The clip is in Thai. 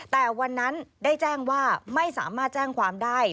แต่วันนั้นได้แจ้งว่าไม่สามารถแจ้งความได้